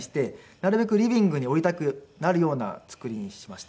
なるべくリビングに下りたくなるような造りにしました。